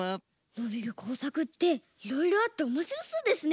のびるこうさくっていろいろあっておもしろそうですね。